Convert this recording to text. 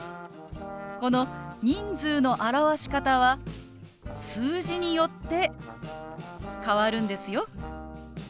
この人数の表し方は数字によって変わるんですよ。